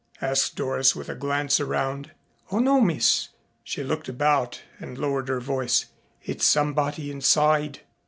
asked Doris with a glance around. "Oh, no, Miss." She looked about and lowered her voice. "It's somebody inside."